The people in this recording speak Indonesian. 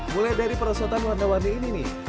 mulai dari perosotan warna warni ini nih